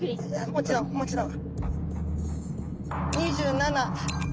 もちろんもちろん。